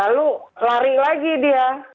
lalu lari lagi dia